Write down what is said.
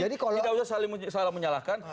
tidak usah saling menyalahkan